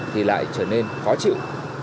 thì lại trở nên khó chịu